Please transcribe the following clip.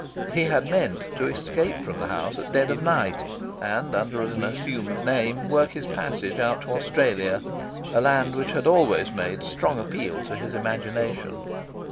He had meant to escape from the house at dead of night and, under an assumed name, work his passage out to Australia a land which had always made strong appeal to his imagination.